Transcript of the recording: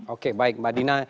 oke baik mbak dina